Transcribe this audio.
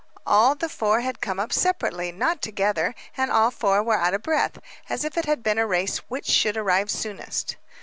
All the four had come up separately, not together, and all four were out of breath, as if it had been a race which should arrive soonest.